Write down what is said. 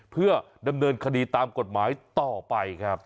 เพื่อดำเนินคดีตามกฎหมายต่อไปครับ